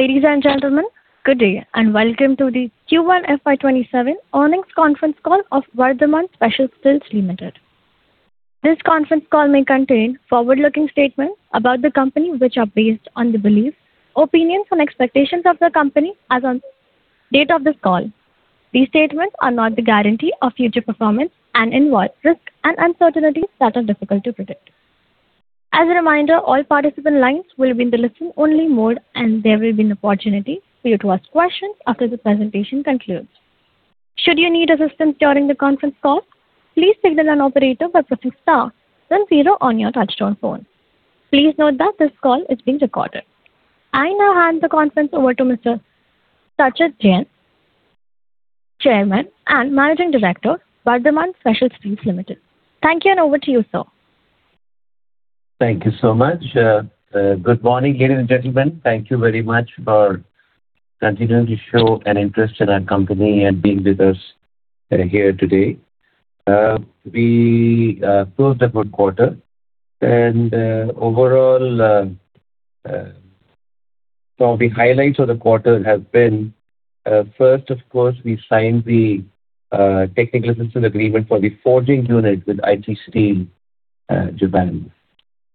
Ladies and gentlemen, good day, and welcome to the Q1 FY 2027 earnings conference call of Vardhman Special Steels Limited. This conference call may contain forward-looking statements about the company which are based on the beliefs, opinions, and expectations of the company as on date of this call. These statements are not the guarantee of future performance and involve risks and uncertainties that are difficult to predict. As a reminder, all participant lines will be in the listen only mode, and there will be an opportunity for you to ask questions after the presentation concludes. Should you need assistance during the conference call, please signal an operator by pressing star then zero on your touchtone phone. Please note that this call is being recorded. I now hand the conference over to Mr. Sachit Jain, Chairman and Managing Director, Vardhman Special Steels Limited. Thank you, and over to you, sir. Thank you so much. Good morning, ladies and gentlemen. Thank you very much for continuing to show an interest in our company and being with us here today. We closed a good quarter and overall, the highlights of the quarter have been, first, of course, we signed the technical assistance agreement for the forging unit with Aichi Steel, Japan.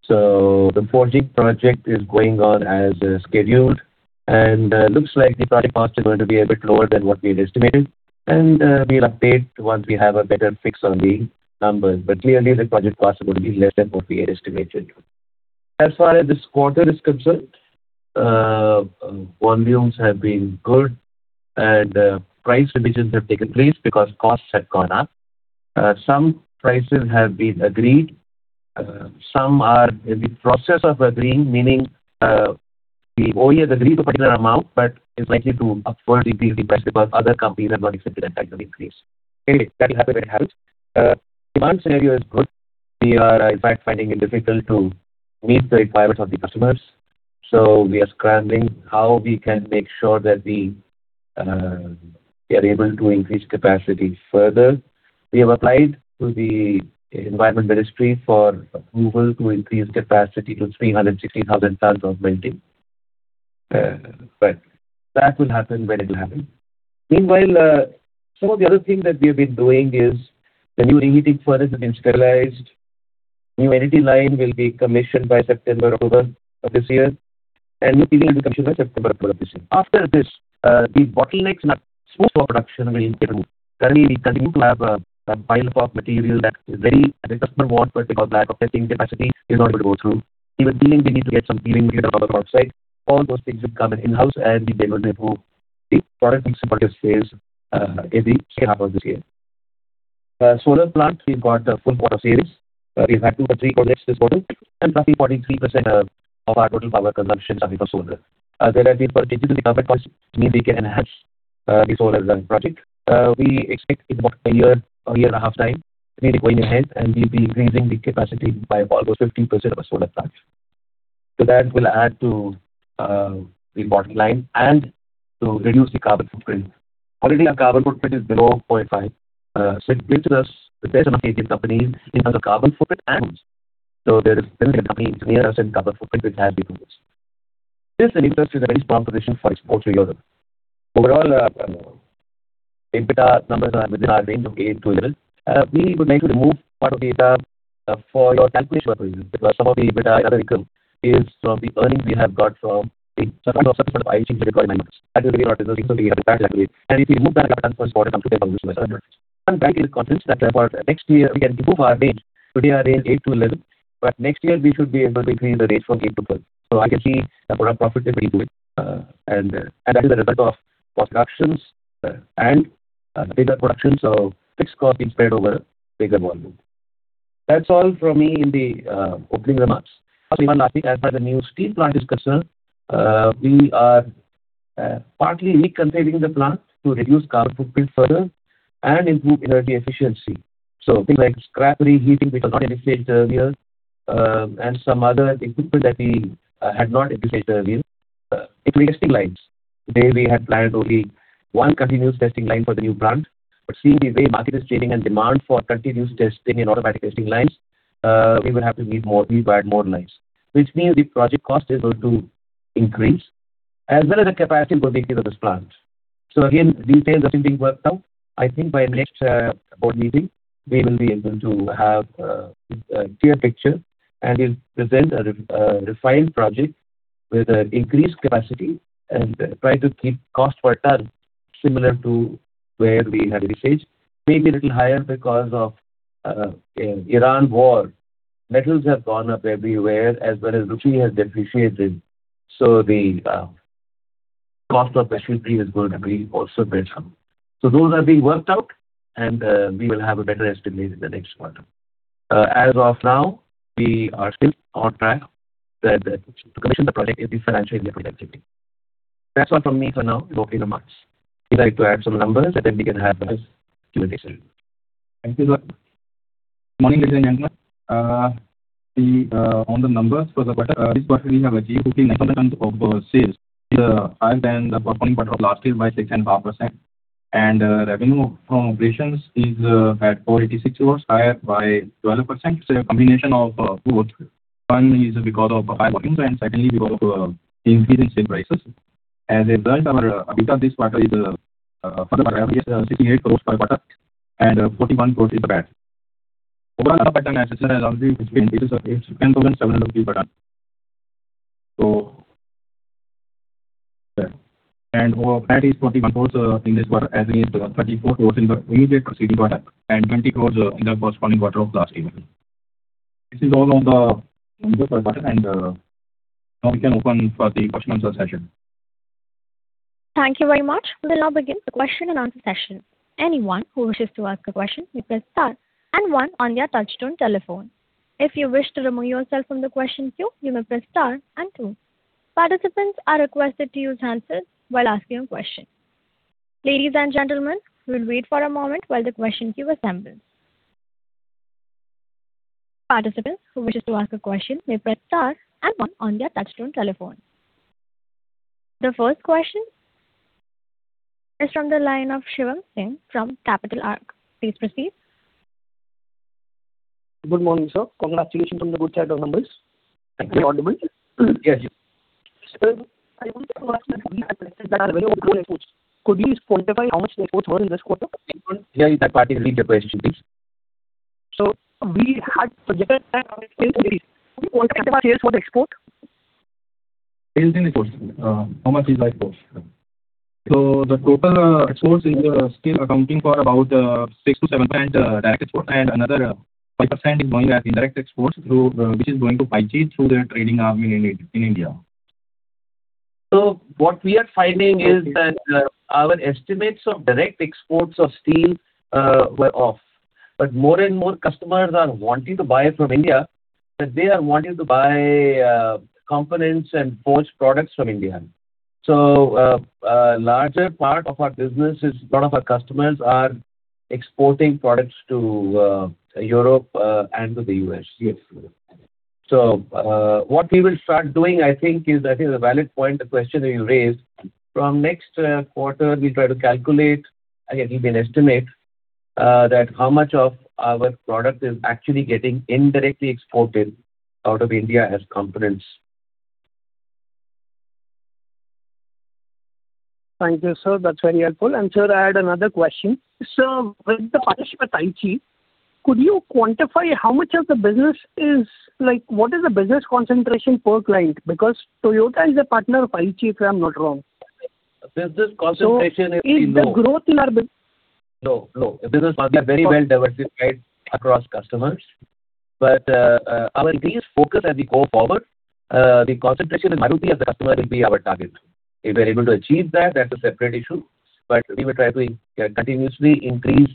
The forging project is going on as scheduled, and looks like the project cost is going to be a bit lower than what we had estimated. We'll update once we have a better fix on the numbers. Clearly the project cost will be less than what we had estimated. As far as this quarter is concerned, volumes have been good and price revisions have taken place because costs have gone up. Some prices have been agreed, some are in the process of agreeing, meaning the OEM has agreed to a particular amount but is likely to upwardly revise because other companies have not accepted that type of increase. Anyway, that will happen when it happens. Demand scenario is good. We are in fact finding it difficult to meet the requirements of the customers. We are scrambling how we can make sure that we are able to increase capacity further. We have applied to the environment ministry for approval to increase capacity to 360,000 tonnes of melting. That will happen when it will happen. Meanwhile, some of the other things that we have been doing is the new reheating furnace has been stabilized. New energy line will be commissioned by September, October of this year, and the peeler will be commissioned by September, October this year. After this, the bottlenecks in our smooth production will improve. Currently, we continue to have a pileup of material that the customer wants, but because lack of testing capacity, we're not able to go through. Even peeling, we need to get some peeling. We get a lot of oxide. All those things will come in-house, we'll be able to improve the product mix for this phase in the second half of this year. Solar plant, we've got the full board of sales. We've had two or three projects this quarter, roughly 43% of our total power consumption is only for solar. There have been purchases in government bonds, means we can enhance the solar project. We expect in about a year or a year and a half time, we require enhance, we'll be increasing the capacity by almost 50% of our solar plants. That will add to the bottom line and to reduce the carbon footprint. Already our carbon footprint is below 0.5. There's no Indian company below the carbon footprint there is no company near us in carbon footprint which has been doing this. This, I think, puts us in a very strong position for [FY 2027]. Overall, EBITDA numbers are within our range of 8-11. We would like to remove part of the data for your calculation purposes because some of the EBITDA is from the earnings we have got from the certain sort of [IHG requirement]. That is very non-recurring. We get it back exactly. If we move that across first quarter, it comes to around INR 700. That is confidence that for next year we can improve our range. Today, our range 8-11. Next year we should be able to increase the range from 8-12. I can see the product profitability improving. That is a result of cost reductions and bigger productions of fixed cost being spread over bigger volume. That's all from me in the opening remarks. As far as the new steel plant is concerned, we are partly reconfiguring the plant to reduce carbon footprint further and improve energy efficiency. Things like scrap reheating, which we have not anticipated earlier, and some other equipment that we had not anticipated earlier, including testing lines. Today we had planned only one continuous testing line for the new plant. Seeing the way market is changing and demand for continuous testing and automatic testing lines, we would have to require more lines. Which means the project cost is going to increase as well as the capacity prediction of this plant. Again, details are still being worked out. I think by next board meeting, we will be able to have a clear picture and will present a refined project with an increased capacity and try to keep cost per ton similar to where we had envisaged. Maybe a little higher because of Iran war. Metals have gone up everywhere as well as rupee has depreciated. The cost of specialty is going to be also bear some. Those are being worked out. We will have a better estimate in the next quarter. As of now, we are still on track to commission the project if we financially de-product it. That's all from me for now in opening remarks. If you'd like to add some numbers, we can have Q&A session. Thank you. Morning, ladies and gentlemen. On the numbers for the quarter. This quarter we have achieved 1,500 tonnes of sales, higher than the corresponding quarter of last year by 6.5%. Revenue from operations is at 486 crore, higher by 12%, a combination of two factors. One is because of higher volumes, and secondly, because of the increase in steel prices. As I've said, our EBITDA this quarter is, for the quarter, 68 crore per quarter, and 41 crore is PAT. Overall, our PAT has obviously been increases of 10.7% quarter-over-quarter. Our PAT is 41 crore in this quarter as against 34 crore in the immediate preceding quarter and 20 crore in the corresponding quarter of last year. This is all on the numbers for the quarter. Now we can open for the question and answer session. Thank you very much. We'll now begin the question and answer session. Anyone who wishes to ask a question may press star and one on their touch-tone telephone. If you wish to remove yourself from the question queue, you may press star and two. Participants are requested to use handsets while asking a question. Ladies and gentlemen, we'll wait for a moment while the question queue assembles. Participant who wishes to ask a question may press star and one on their touchtone telephone. The first question is from the line of Shivam Singh from Capital Ark. Please proceed. Good morning, sir. Congratulations on the good set of numbers. Am I audible? Yes. Sir, could we quantify how much exports were in this quarter? Can you repeat that part of the question, please. Sir, we had sales for the export. Sales in exports. How much is by exports? The total exports is still accounting for about 6%-7% direct export and another 5% is going as indirect exports, which is going to Aichi Steel Corporation through their trading arm in India. What we are finding is that our estimates of direct exports of steel were off. More and more customers are wanting to buy from India, and they are wanting to buy components and forged products from India. Larger part of our business is lot of our customers are exporting products to Europe and to the U.S. Yes. What we will start doing, I think is that is a valid point, the question that you raised. From next quarter, we'll try to calculate, again, it'll be an estimate, that how much of our product is actually getting indirectly exported out of India as components. Thank you, sir. That's very helpful. Sir, I had another question. Sir, with the partnership with Aichi Steel Corporation, could you quantify how much of the business what is the business concentration per client? Because Toyota is a partner of Aichi Steel Corporation, if I'm not wrong. Business concentration is low. Is the growth in our bus Low. Business partner very well diversified across customers. Our biggest focus as we go forward, the concentration in Maruti Suzuki as a customer will be our target. If we're able to achieve that's a separate issue. We will try to continuously increase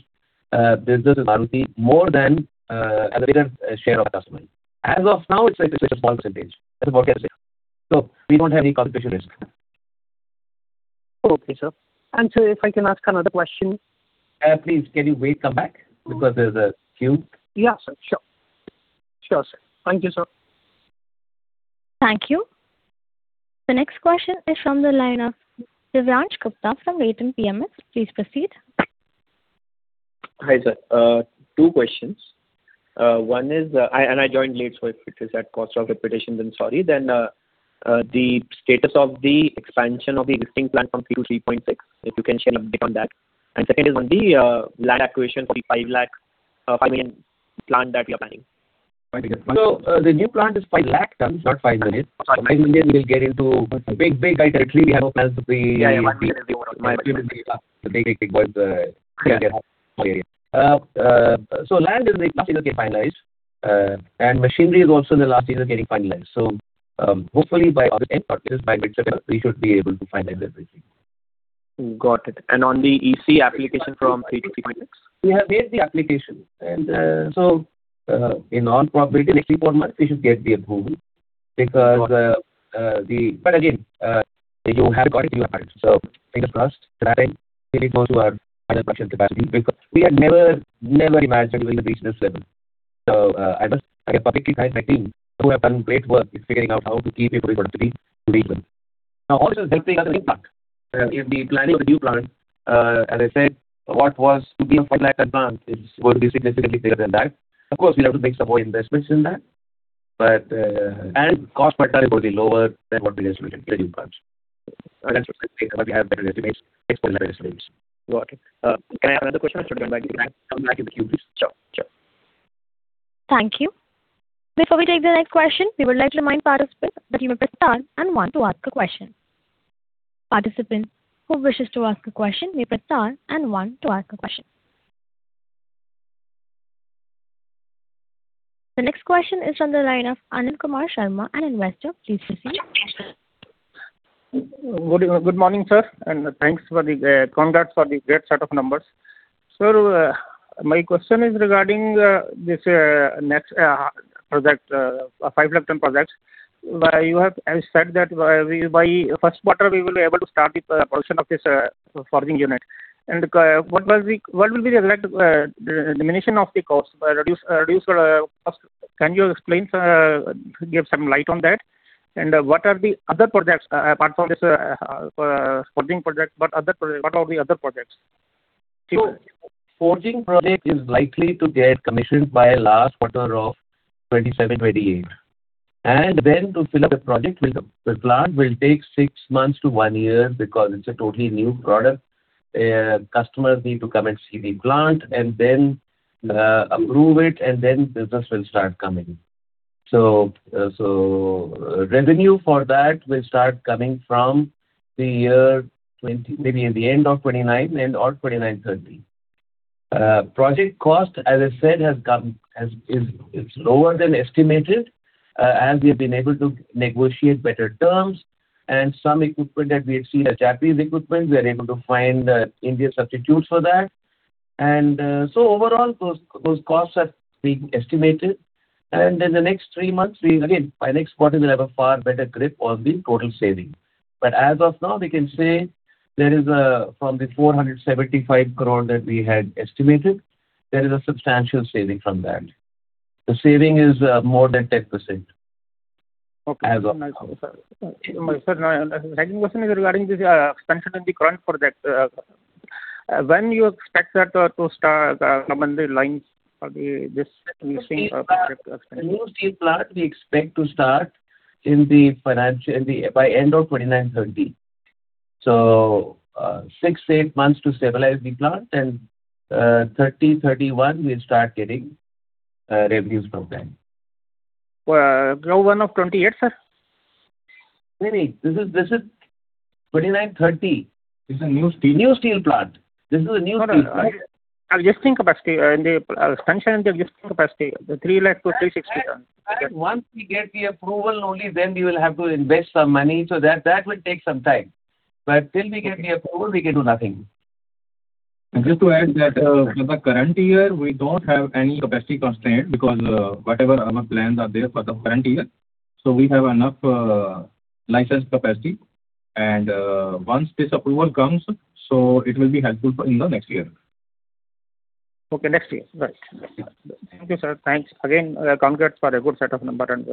business with Maruti Suzuki more than as a greater share of the customer. As of now, it's like I said, a small percentage. That's what I can say. We don't have any competition risk. Okay, sir. Sir, if I can ask another question. Please, can you wait, come back because there's a queue. Yeah, sir. Sure. Thank you, sir. Thank you. The next question is from the line of Divyansh Gupta from Latent PMS. Please proceed. Hi, sir. Two questions. I joined late, so if it is at cost of repetition, sorry. The status of the expansion of the existing plant from three to 3.6, if you can share an update on that. Second is on the land acquisition for the 5 million plant that you are planning. The new plant is 500,000 ton, not 5 million. 5 million will get into big, big, big. Yeah, 5 million is the order of the big, big, big boys. Big boys. Land is in the last stage of getting finalized. Machinery is also in the last stage of getting finalized. Hopefully by the end quarter, by mid-July, we should be able to finalize everything. Got it. On the EC application from three to 3.6? We have made the application. In all probability, next three to four months, we should get the approval. Again, you have got it, you have had it. Fingers crossed that I will be close to our final production capacity because we had never imagined we will reach this level. I must again publicly thank my team who have done great work in figuring out how to keep improving productivity to reach this. All this has definitely got an impact in the planning of the new plant. As I said, what was to be a 500,000 advance is going to be significantly bigger than that. Of course, we will have to make some more investments in that. Cost per ton is going to be lower than what we are estimating for the new plants. Again, we have better estimates based on our experience. Got it. Can I have another question? I should come back in the queue, please. Sure. Thank you. Before we take the next question, we would like to remind participants that you may press star and one to ask a question. Participant who wishes to ask a question may press star and one to ask a question. The next question is from the line of Anil Kumar Sharma, an investor. Please proceed. Good morning, sir. Congrats for the great set of numbers. Sir, my question is regarding this 500,000 ton project. You have said that by first quarter, we will be able to start the production of this forging unit. What will be the net diminution of the cost? Can you explain, sir, give some light on that? What are the other projects apart from this forging project? What are the other projects? Forging project is likely to get commissioned by last quarter of 2027/2028. Then to fill up the project, the plant will take six months to one year because it's a totally new product. Customers need to come and see the plant and then approve it, and then business will start coming. Revenue for that will start coming from the year, maybe in the end of 2029 or 2029/2030. Project cost, as I said, is lower than estimated, as we've been able to negotiate better terms and some equipment that we had seen as Japanese equipment, we are able to find Indian substitutes for that. Overall, those costs are being estimated. In the next three months, we again, by next quarter, will have a far better grip on the total saving. As of now, we can say, from the 475 crore that we had estimated, there is a substantial saving from that. The saving is more than 10%. Okay. My second question is regarding this expansion in the current project. When do you expect that to start coming the lines for this new steel project? New steel plant, we expect to start by end of 2029/2030. Six to eight months to stabilize the plant and 2030/2031, we'll start getting revenues from that. Q1 of 2028, sir? No. This is 2029/2030. This is a new steel plant. I was just thinking capacity and the expansion of existing capacity, the 300,000 to 360,000. Once we get the approval, only then we will have to invest some money. That will take some time. Till we get the approval, we can do nothing. Just to add that for the current year, we don't have any capacity constraint because whatever our plans are there for the current year, so we have enough licensed capacity. Once this approval comes, it will be helpful in the next year. Okay. Next year. Right. Thank you, sir. Thanks again. Congrats for a good set of numbers and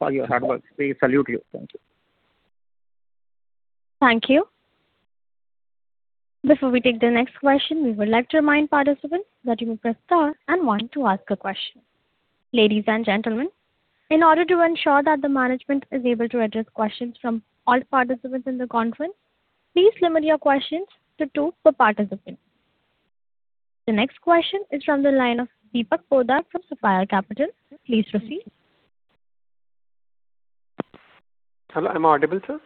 for your hard work. We salute you. Thank you. Thank you. Before we take the next question, we would like to remind participants that you may press star and one to ask a question. Ladies and gentlemen, in order to ensure that the management is able to address questions from all participants in the conference, please limit your questions to two per participant. The next question is from the line of Deepak Poddar from Sapphire Capital. Please proceed. Hello, am I audible, sir?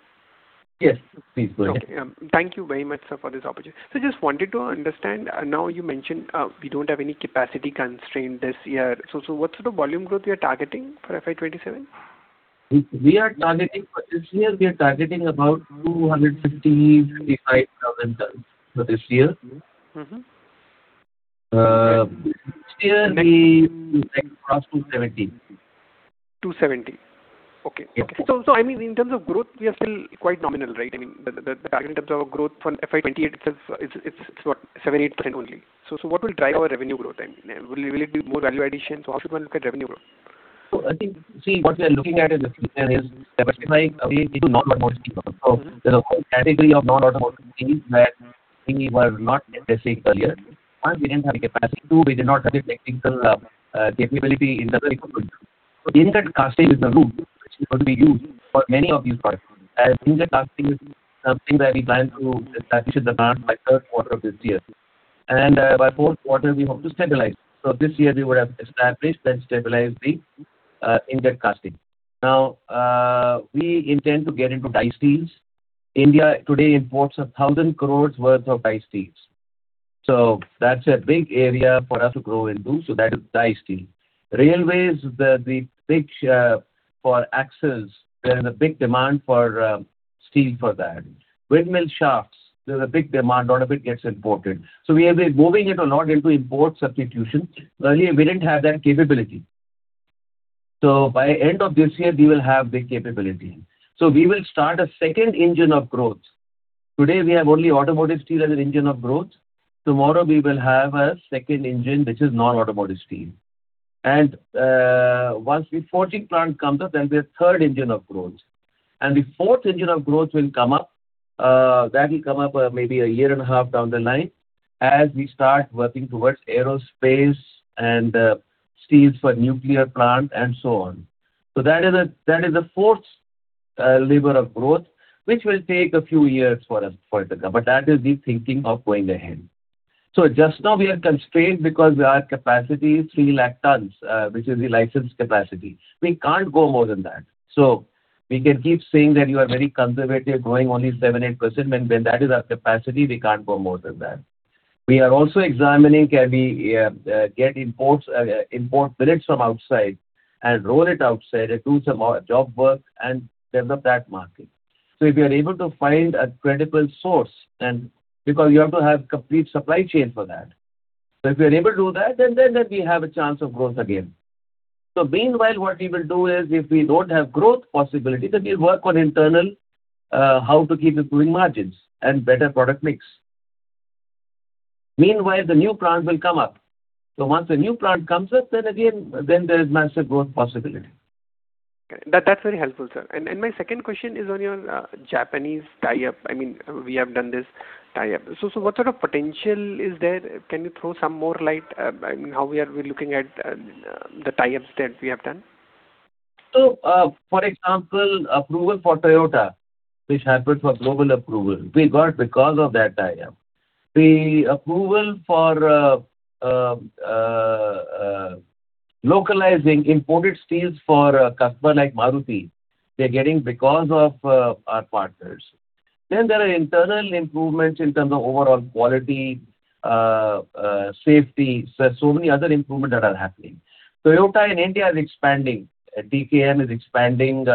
Yes, please go ahead. Okay. Thank you very much, sir, for this opportunity. Just wanted to understand, now you mentioned we don't have any capacity constraint this year. What sort of volume growth you're targeting for FY 2027? For this year, we are targeting about 250,000-255,000 tonnes for this year. Next year, we like to cross 270,000 tonnes. 270,000 tonnes. Okay. In terms of growth, we are still quite nominal, right? I mean, the target in terms of growth for FY 2028 itself, it's what? 7%, 8% only. What will drive our revenue growth then? Will it be more value addition? How should one look at revenue growth? I think, see, what we are looking at is diversifying into non-automotive. The whole category of non-automotive things where we were not present earlier. One, we didn't have the capacity. Two, we did not have the technical capability in the equipment. Ingot casting is the route which we want to be used for many of these products, as ingot casting is something that we plan to establish at the plant by third quarter of this year. And by fourth quarter, we hope to stabilize. This year we would have established and stabilized the ingot casting. Now, we intend to get into die steels. India today imports 1,000 crores worth of die steels. That's a big area for us to grow into. That is die steel. Railways, the pitch for axles, there's a big demand for steel for that. Windmill shafts, there's a big demand. Lot of it gets imported. We have been moving it a lot into import substitution. Earlier, we didn't have that capability. By end of this year, we will have the capability. We will start a second engine of growth. Today, we have only automotive steel as an engine of growth. Tomorrow, we will have a second engine, which is non-automotive steel. Once the forging plant comes up, then the third engine of growth. The fourth engine of growth will come up, that will come up maybe a year and a half down the line, as we start working towards aerospace and steels for nuclear plant and so on. That is the fourth lever of growth, which will take a few years for it to come. That is the thinking of going ahead. Just now we are constrained because our capacity is 300,000 tonnes, which is the licensed capacity. We can't go more than that. We can keep saying that you are very conservative, growing only 7%, 8%, when that is our capacity, we can't go more than that. We are also examining, can we get import billets from outside and roll it outside and do some job work and develop that market. If we are able to find a credible source, because you have to have complete supply chain for that. If we are able to do that, then we have a chance of growth again. Meanwhile, what we will do is, if we don't have growth possibility, then we'll work on internal, how to keep improving margins and better product mix. Meanwhile, the new plant will come up. Once the new plant comes up, then there is massive growth possibility. Okay. That's very helpful, sir. My second question is on your Japanese tie-up. We have done this tie-up. What sort of potential is there? Can you throw some more light on how we are looking at the tie-ups that we have done? For example, approval for Toyota, which happened for global approval, we got because of that tie-up. The approval for localizing imported steels for a customer like Maruti Suzuki, we are getting because of our partners. There are internal improvements in terms of overall quality, safety. Many other improvements that are happening. Toyota in India is expanding. TKM is expanding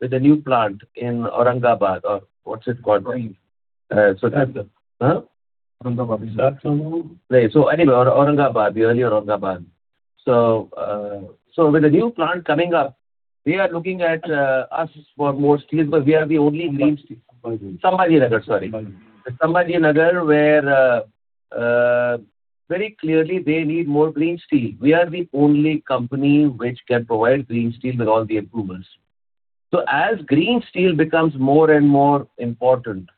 with a new plant in Aurangabad, or what's it called? Chhatrapati Sambhaji Nagar. Chhatrapati Sambhaji Nagar.. Anyway, the early Aurangabad. With the new plant coming up, they are looking at us for more steels, but we are the only green steel- Chhatrapati Sambhaji Nagar. Chhatrapati Sambhaji Nagar, sorry. Chhatrapati Sambhaji Nagar, where very clearly they need more green steel. We are the only company which can provide green steel with all the approvals. As green steel becomes more and more important,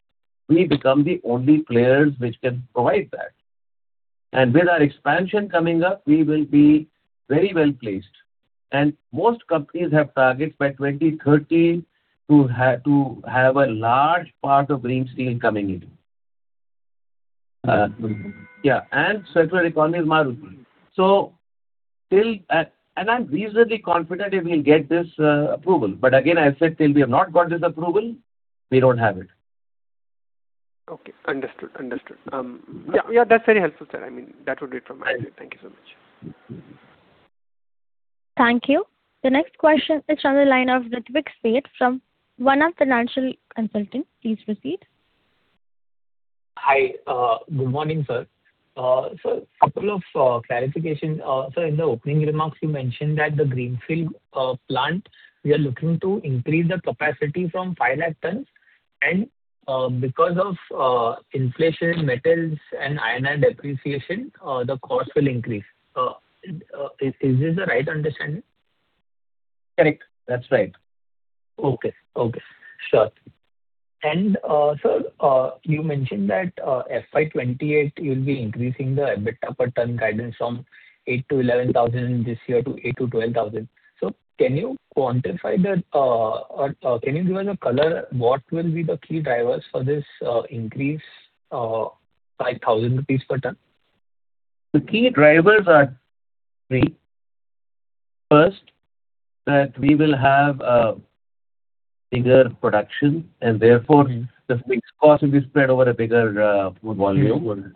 we become the only players which can provide that. With our expansion coming up, we will be very well-placed. Most companies have targets by 2030 to have a large part of green steel coming in. Maruti Suzuki. Yeah, circular economy is Maruti Suzuki. I'm reasonably confident we'll get this approval. Again, as I said, till we have not got this approval, we don't have it. Okay, understood. Yeah, that's very helpful, sir. That would be it from my end. Thank you so much. Thank you. The next question is on the line of Ritwik Sheth from One Up Financial Consultants. Please proceed. Hi. Good morning, sir. Couple of clarifications. In the opening remarks, you mentioned that the greenfield plant, we are looking to increase the capacity from 5 lakh tonnes, and because of inflation in metals and iron depreciation, the cost will increase. Is this the right understanding? Correct. That's right. Okay. Sure. Sir, you mentioned that FY 2028, you'll be increasing the EBITDA per tonne guidance from 8,000-11,000 this year to 8,000-12,000. Can you quantify that? Can you give us a color what will be the key drivers for this increase, 5,000 rupees per tonne? The key drivers are three. First, that we will have a bigger production and therefore the fixed cost will be spread over a bigger volume. Volume.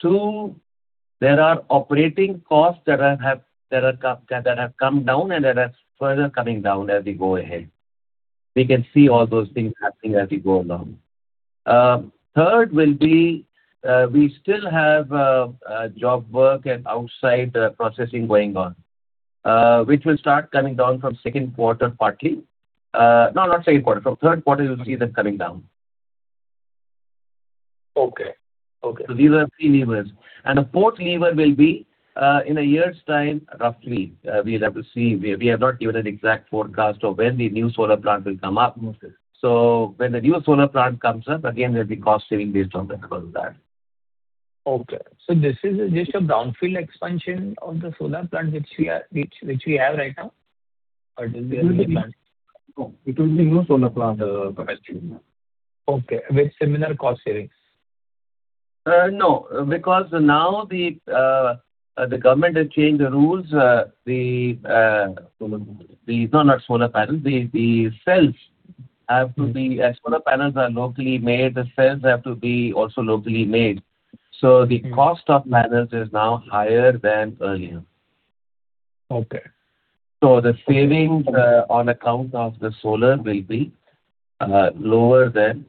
Two, there are operating costs that have come down and that are further coming down as we go ahead. We can see all those things happening as we go along. Third will be, we still have job work and outside processing going on, which will start coming down from second quarter partly. No, not second quarter. From third quarter, you'll see them coming down. Okay. These are three levers. A fourth lever will be, in a year's time, roughly, we'll have to see. We have not given an exact forecast of when the new solar plant will come up. Okay. When the new solar plant comes up, again, there'll be cost saving based on the cost of that. Okay. This is just a brownfield expansion of the solar plant which we have right now? Or it will be a new plant? No, it will be a new solar plant capacity. Okay. With similar cost savings? No, because now the government has changed the rules. Solar panels. No, not solar panels, the cells. As solar panels are locally made, the cells have to be also locally made. The cost of panels is now higher than earlier. Okay. The savings on account of the solar will be lower than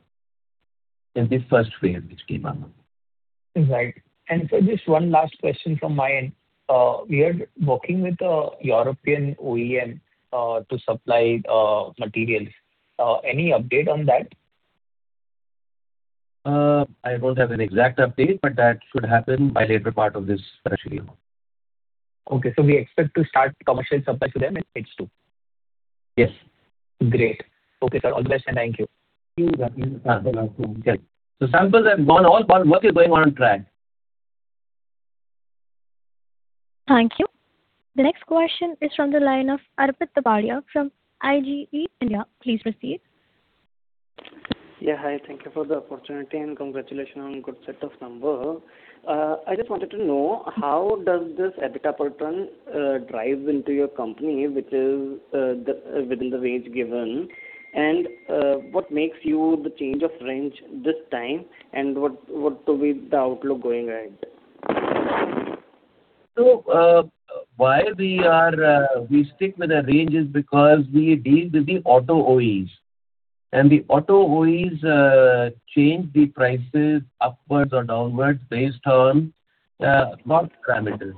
in the first phase which came on. Right. Sir, just one last question from my end. We are working with a European OEM to supply materials. Any update on that? I don't have an exact update, but that should happen by latter part of this financial year. Okay. We expect to start commercial supply to them in H2? Yes. Great. Okay, sir. All the best and thank you. Please welcome. Samples have gone. All part work is going on track. Thank you. The next question is from the line of Arpit Tapadia from IGE India. Please proceed. Yeah, hi. Thank you for the opportunity and congratulations on good set of numbers. I just wanted to know how does this EBITDA per tonne drive into your company, which is within the range given? What makes you the change of range this time, and what will be the outlook going ahead? Why we stick with the range is because we deal with the auto OEMs. The auto OEMs change the prices upwards or downwards based on lot parameters.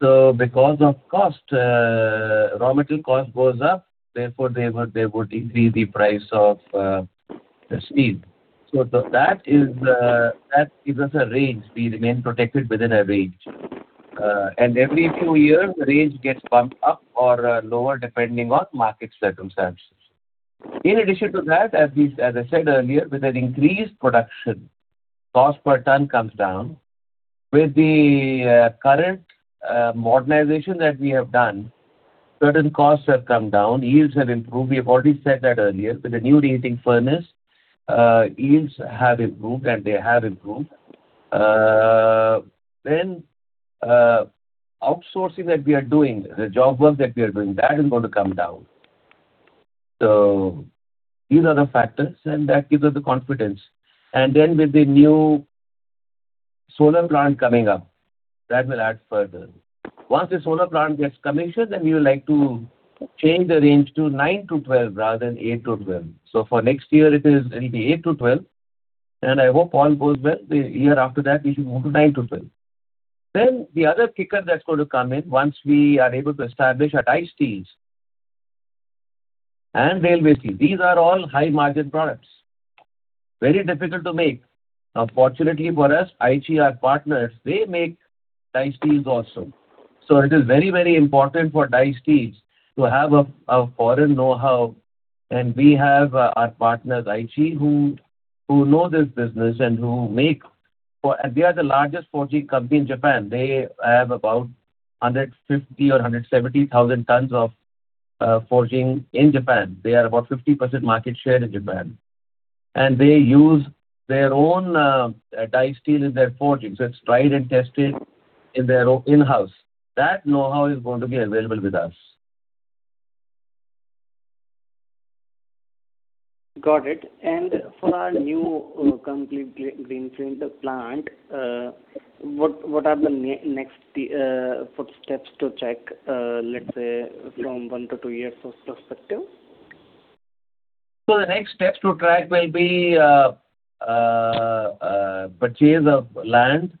Because of cost, raw material cost goes up, therefore they would increase the price of the steel. That gives us a range. We remain protected within a range. Every few years, the range gets bumped up or lower depending on market circumstances. In addition to that, as I said earlier, with an increased production, cost per ton comes down. With the current modernization that we have done, certain costs have come down, yields have improved. We have already said that earlier. With the new reheating furnace, yields have improved. Outsourcing that we are doing, the job work that we are doing, that is going to come down. These are the factors, and that gives us the confidence. With the new solar plant coming up, that will add further. Once the solar plant gets commissioned, we would like to change the range to 9-12 rather than 8-12. For next year it'll be 8-12, and I hope all goes well, the year after that we should move to 9-12. The other kicker that's going to come in once we are able to establish our die steels and railway steels. These are all high margin products. Very difficult to make. Now, fortunately for us, Aichi Steel Corporation, our partners, they make die steels also. It is very important for die steels to have a foreign knowhow, and we have our partners, Aichi Steel Corporation, who know this business and who make. They are the largest forging company in Japan. They have about 150,000 or 170,000 tonnes of forging in Japan. They are about 50% market share in Japan. They use their own die steel in their forging, so it's tried and tested in-house. That knowhow is going to be available with us. Got it. For our new complete greenfield plant, what are the next footsteps to check, let's say, from one to two years perspective? The next steps to track will be purchase of land.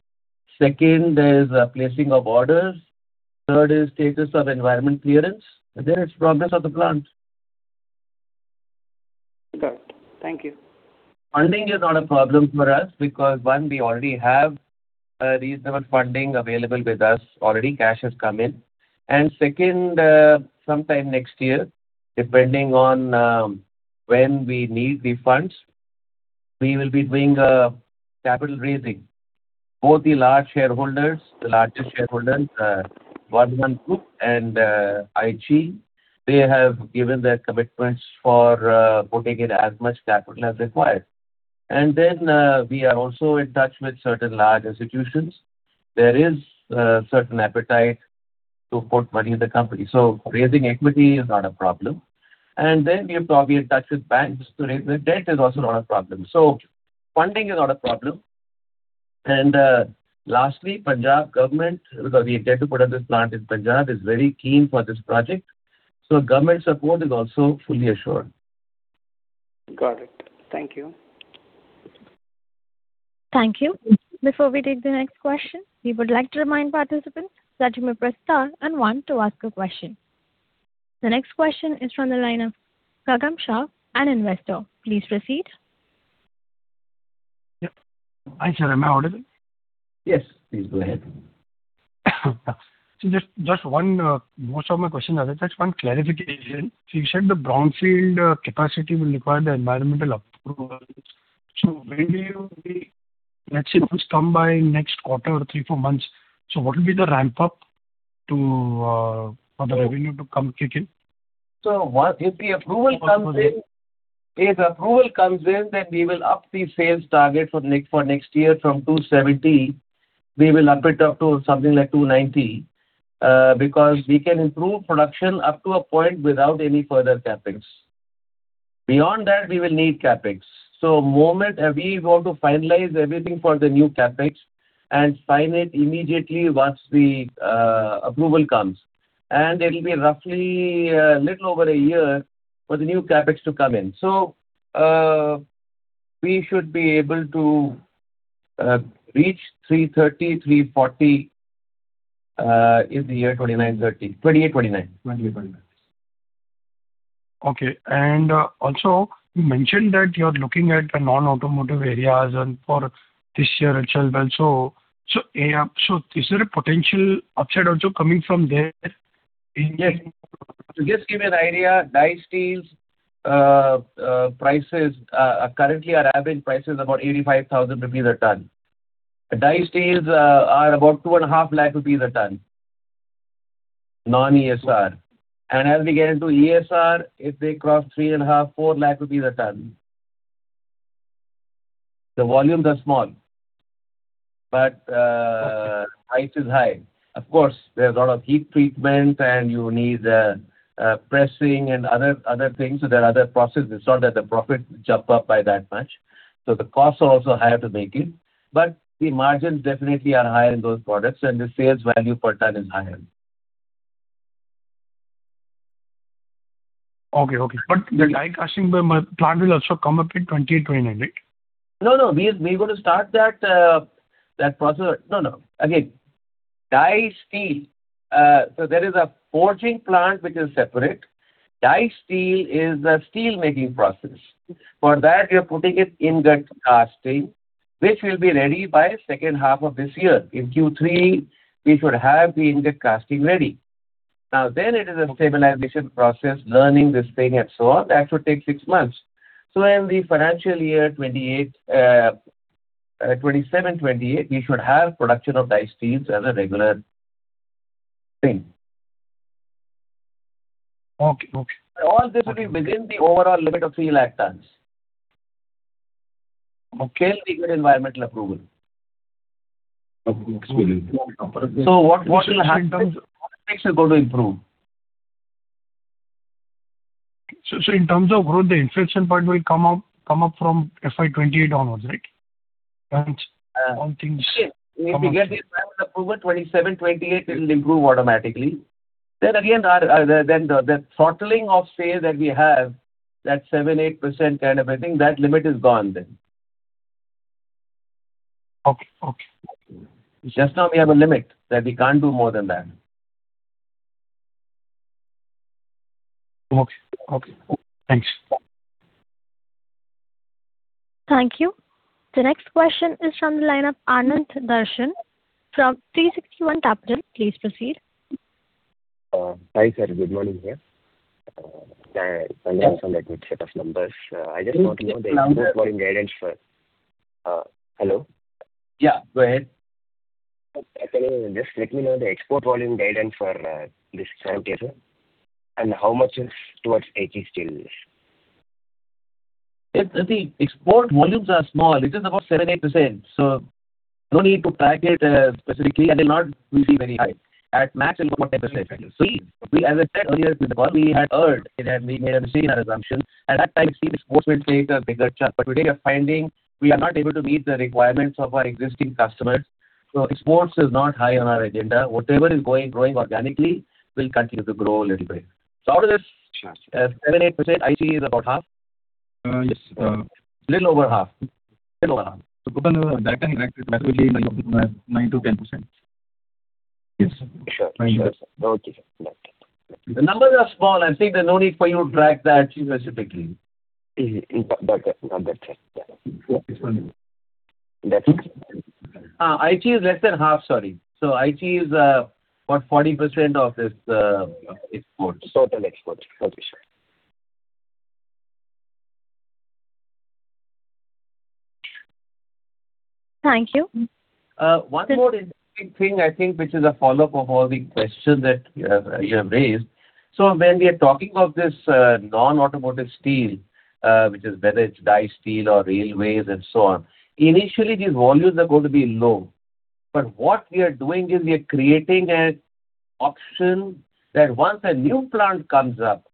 Second is placing of orders. Third is status of environment clearance. It is progress of the plant. Got it. Thank you. Funding is not a problem for us because, one, we already have reasonable funding available with us. Already cash has come in. Second, sometime next year, depending on when we need the funds, we will be doing a capital raising. Both the large shareholders, the largest shareholders, Vardhman Group and Aichi Steel Corporation, they have given their commitments for putting in as much capital as required. Then, we are also in touch with certain large institutions. There is a certain appetite to put money in the company. Raising equity is not a problem. Then we're probably in touch with banks to raise the debt, is also not a problem. Funding is not a problem. Lastly, Punjab government, because we intend to put up this plant in Punjab, is very keen for this project. Government support is also fully assured. Got it. Thank you. Thank you. Before we take the next question, we would like to remind participants that you may press star and one to ask a question. The next question is from the line of [Gagan Shaw], an investor. Please proceed. Yeah. Hi, sir. Am I audible? Yes, please go ahead. Most of my question are. Just one clarification. You said the brownfield capacity will require the environmental approvals. When will you be, let's say, once done by next quarter or three to four months, so what will be the ramp up for the revenue to come kick in? If the approval comes in, we will up the sales target for next year from 270,000 tonnes, we will up it up to something like 290,000 tonnes, because we can improve production up to a point without any further CapEx. Beyond that, we will need CapEx. Moment we go to finalize everything for the new CapEx and sign it immediately once the approval comes. It'll be roughly a little over a year for the new CapEx to come in. We should be able to reach 330,000-340,000 tonnes in the year 2028/2029. Okay. Also you mentioned that you're looking at the non-automotive areas and for this year as well. Is there a potential upside also coming from there? To just give you an idea, die steels prices currently our average price is about 85,000 rupees a ton. Die steels are about 2.5 lakhs rupees a ton, non-ESR. As we get into ESR, it may cross 3.5-4 lakhs rupees a ton. The volumes are small, but price is high. Of course, there's a lot of heat treatment and you need pressing and other things. There are other processes. It's not that the profit jump up by that much. The costs are also higher to make it, but the margins definitely are higher in those products, and the sales value per ton is higher. Okay. The die casting plant will also come up in 2029, right? No. We're going to start that process. Again, die steel. There is a forging plant, which is separate. Die steel is a steelmaking process. For that, we are putting it in duct casting, which will be ready by H2 of this year. In Q3, we should have the ingot casting ready. It is a stabilization process, learning this thing and so on. That should take six months. In the financial year 2027/2028, we should have production of die steels as a regular thing. Okay. All this will be within the overall limit of 3 lakh tons. We get environmental approval. Okay. What will happen is, what next is going to improve? In terms of growth, the inflection point will come up from FY 2028 onwards, right? Once all things come up. If we get the environmental approval 2027/2028, it will improve automatically. Again, the throttling of sales that we have, that 7% to 8% kind of a thing, that limit is gone then. Okay. Just now we have a limit that we can't do more than that. Okay. Thanks. Thank you. The next question is from the line of Anandh Dharshan from 360 ONE Capital. Please proceed. Hi, sir. Good morning here. Yeah. Congratulations on that good set of numbers. I just want to know the export volume guidance for Hello? Yeah, go ahead. Just let me know the export volume guidance for this current year, sir. How much is towards Aichi Steel Corporation's? The export volumes are small. It is about 7%-8%, no need to track it specifically, they'll not receive any high. At max, it'll be about 10%, I guess. As I said earlier, we had erred and we made a mistake in our assumption. At that time, we had seen exports will take a bigger chunk. Today we are finding we are not able to meet the requirements of our existing customers. Exports is not high on our agenda. Whatever is growing organically will continue to grow a little bit. Out of this 7%-8%, IC is about half. Yes. A little over half. Put on a direct 9%-10%. Yes. Sure. Okay. The numbers are small. I think there's no need for you to track the IC specifically. Got that. IC is less than half, sorry. IC is about 40% of this total export. Okay, sure. Thank you. One more interesting thing, I think, which is a follow-up of all the questions that you have raised. When we are talking of this non-automotive steel, whether it's die steel or railways and so on, initially, these volumes are going to be low. What we are doing is we are creating an option that once a new plant comes up,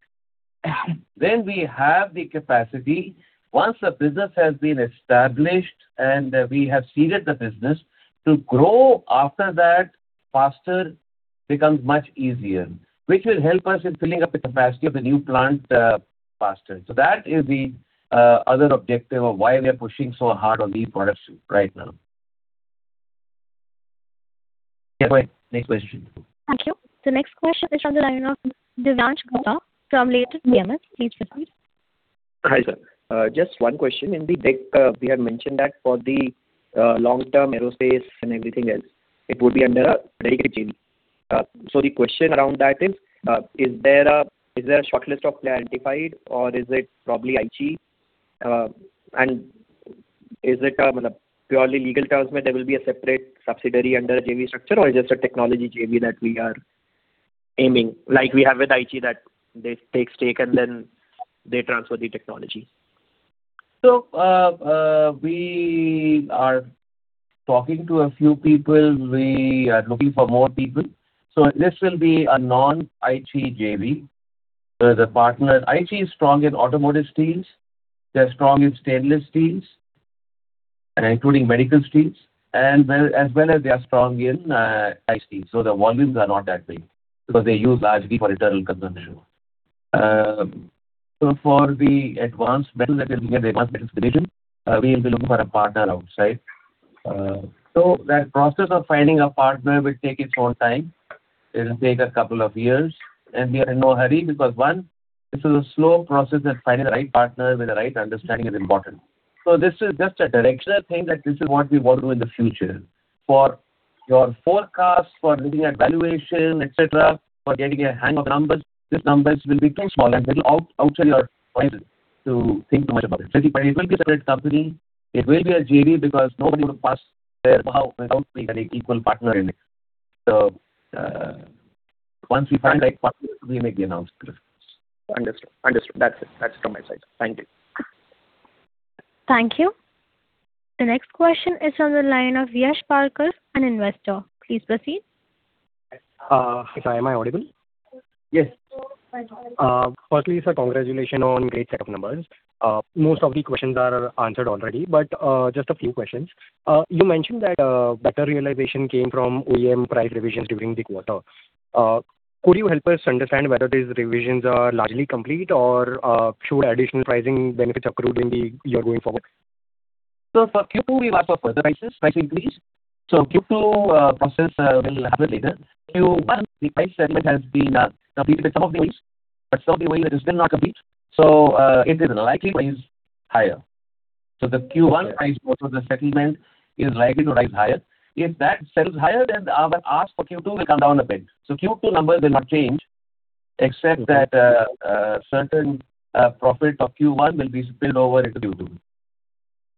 then we have the capacity. Once the business has been established and we have seeded the business, to grow after that, faster becomes much easier, which will help us in filling up the capacity of the new plant faster. That is the other objective of why we are pushing so hard on these products right now. Yeah, go ahead. Next question. Thank you. The next question is from the line of Divyansh Gupta from Latent Advisors PMS. Please proceed. Hi, sir. Just one question. In the deck, we had mentioned that for the long-term aerospace and everything else, it would be under a dedicated JV. The question around that is there a shortlist of player identified or is it probably IC? And is it, on a purely legal terms, there will be a separate subsidiary under a JV structure or is just a technology JV that we are aiming, like we have with IC that they take stake and then they transfer the technology? We are talking to a few people. We are looking for more people. This will be a non-IC JV where the partner IC is strong in automotive steels, they're strong in stainless steels, and including medical steels, and as well as they are strong in IC. The volumes are not that big because they use largely for internal consumption. For the advanced metals that will be under advanced materials division, we'll be looking for a partner outside. That process of finding a partner will take its own time. It'll take a couple of years, and we are in no hurry because, one, this is a slow process and finding the right partner with the right understanding is important. This is just a directional thing that this is what we want to do in the future. For your forecast, for looking at valuation, et cetera, for getting a hang of numbers, these numbers will be too small and they will outside your horizon to think too much about it. It will be a separate company. It will be a JV because nobody would pass their know-how without making an equal partner in it. Once we find the right partner, we make the announcement. Understood. That's it from my side. Thank you. Thank you. The next question is on the line of [Yash Parkar], an investor. Please proceed. Hi. Am I audible? Yes. Firstly, sir, congratulations on great set of numbers. Most of the questions are answered already. Just a few questions. You mentioned that better realization came from OEM price revisions during the quarter. Could you help us understand whether these revisions are largely complete or should additional pricing benefits accrue in the year going forward? For Q2, we've asked for further price increase. Q2 process will happen later. Q1, the price settlement has been done. Now we did some of the ways. Some of the way it is still not complete. It is likely to rise higher. The Q1 price for the settlement is likely to rise higher. If that settles higher, our ask for Q2 will come down a bit. Q2 numbers will not change except that certain profit of Q1 will spill over into Q2.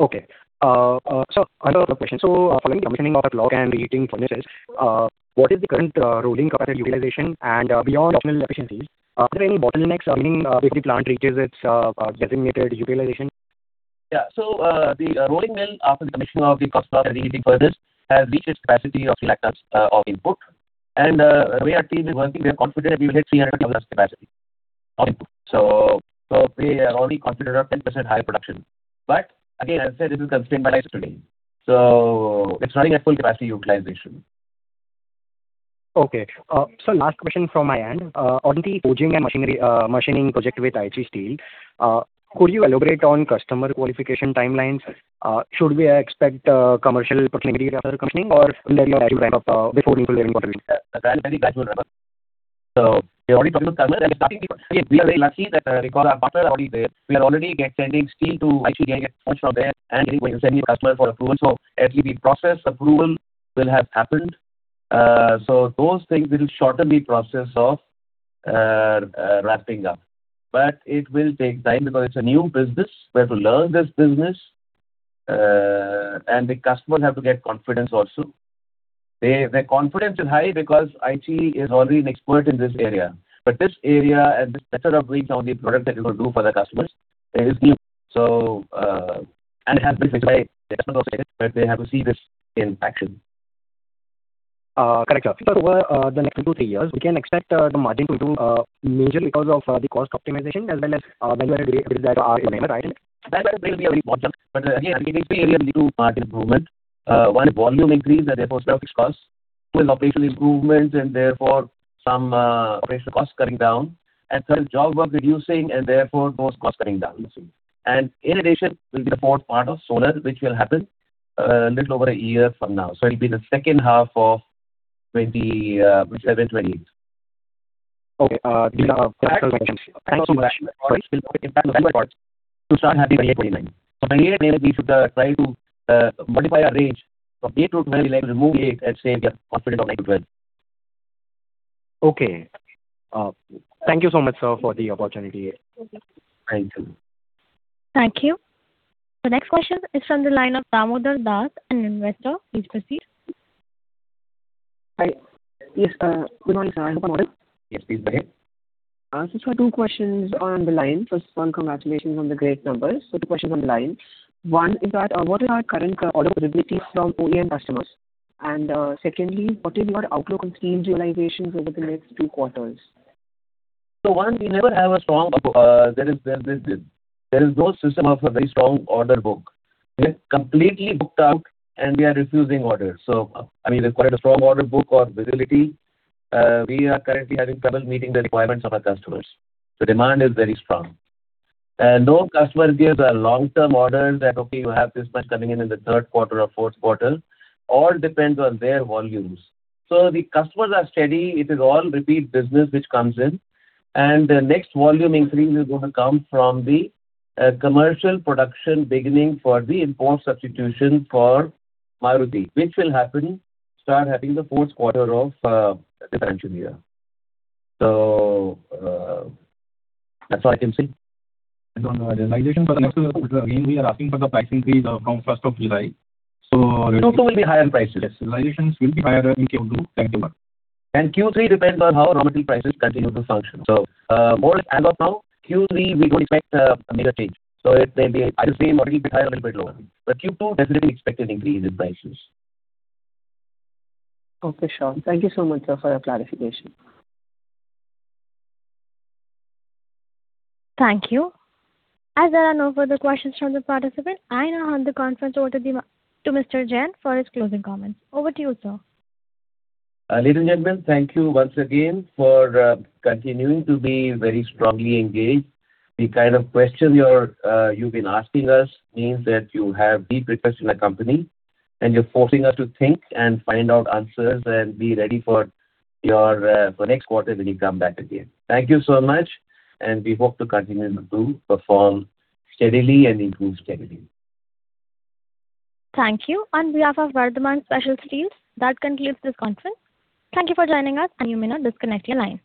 Okay. Sir, another question. Following commissioning of the KOCKS Block and reheating furnaces, what is the current rolling capacity utilization and beyond nominal efficiencies? Are there any bottlenecks assuming if the plant reaches its designated utilization? Yeah. The rolling mill, after the commissioning of the KOCKS Block and reheating furnaces, has reached its capacity of 3 lac tonnes of input. The way our team is working, we are confident we will hit 300,000 tonnes capacity of input. Again, as I said, this is constrained by pricing. It's running at full capacity utilization. Okay. Sir, last question from my end. On the forging and machining project with Aichi Steel Corporation, could you elaborate on customer qualification timelines? Should we expect commercial productivity after commissioning or will there be a gradual ramp-up before we see any contribution? That will be a gradual ramp-up. We've already talked to the customer and we are very lucky that because our partner are already there, we are already sending steel to IC, getting it forged from there, and we're going to send the customer for approval. At least the process approval will have happened. Those things will shorten the process of ramping up. It will take time because it's a new business. We have to learn this business, and the customer have to get confidence also. Their confidence is high because IC is already an expert in this area. This area and this method of reaching out the product that we're going to do for the customers is new. It has been fixed by the customer also, they have to see this in action. Correct, sir. Over the next two to three years, we can expect the margin to improve majorly because of the cost optimization as well as when you are able to visit that R in MERA, right? That will be a very important, again, it will be mainly two margin improvement. One is volume increase and therefore stock fixed cost. Two is operational improvements and therefore some operational costs coming down. Third is job work reducing and therefore those costs coming down. In addition, will be the fourth part of solar, which will happen a little over a year from now. It'll be the H2 of 2027/2028. Okay. These are questions. Thank you so much. To start happening in 2029. For the year 2028, we should try to modify our range from 8-12, we'd like to remove eight and say we are confident of 9-12. Okay. Thank you so much, sir, for the opportunity. Thank you. Thank you. The next question is from the line of [Tamodhar Das], an investor. Please proceed. Hi. Yes, good morning, sir. I hope I'm audible. Yes, please go ahead. Sir, two questions on the line. First one, congratulations on the great numbers. Two questions on the line. One is that what are our current order visibility from OEM customers? Secondly, what is your outlook on steel utilization over the next two quarters? One, we never have a strong outlook. There is no system of a very strong order book. We are completely booked out and we are refusing orders. You call it a strong order book or visibility, we are currently having trouble meeting the requirements of our customers. The demand is very strong. No customer gives a long-term orders that, okay, you have this much coming in in the third quarter or fourth quarter. All depends on their volumes. The customers are steady. It is all repeat business which comes in. The next volume increase is going to come from the commercial production beginning for the import substitution for Maruti Suzuki, which will happen start happening the fourth quarter of the financial year. That's all I can say. On realization for the next quarter, again, we are asking for the pricing freeze from 1 July. Q2 will be higher in prices. Yes. Realizations will be higher in Q2. Thank you, Mark. Q3 depends on how raw material prices continue to function. As of now, Q3, we don't expect a major change. It may be at the same or it'll be higher, a little bit lower. Q2, definitely we expect an increase in prices. Okay, sure. Thank you so much, sir, for your clarification. Thank you. As there are no further questions from the participant, I now hand the conference over to Mr. Jain for his closing comments. Over to you, sir. Ladies and gentlemen, thank you once again for continuing to be very strongly engaged. The kind of question you've been asking us means that you have deep interest in the company, and you're forcing us to think and find out answers and be ready for next quarter when you come back again. Thank you so much, we hope to continue to perform steadily and improve steadily. Thank you. On behalf of Vardhman Special Steels Limited, that concludes this conference. Thank you for joining us, and you may now disconnect your line.